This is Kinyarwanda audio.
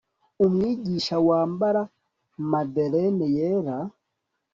Umwigisha wambara Madeleine yera